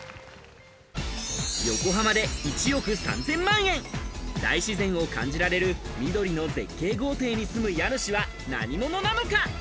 横浜で１億３０００万円、大自然を感じられる緑の絶景豪邸に住む家主は何者なのか？